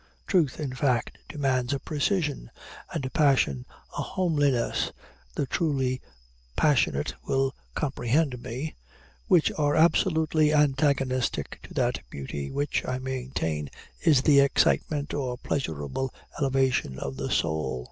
Truth, in fact, demands a precision, and Passion, a homeliness (the truly passionate will comprehend me) which are absolutely antagonistic to that Beauty which, I maintain, is the excitement, or pleasurable elevation, of the soul.